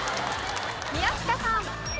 宮近さん。